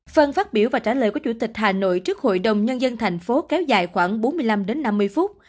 phần phát biểu và trả lời của chủ tịch hà nội trước hội đồng nhân dân thành phố kéo dài khoảng bốn mươi năm đến năm mươi phút